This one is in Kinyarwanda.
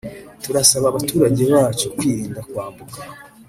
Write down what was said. turasaba abaturage bacu kwirinda kwambuka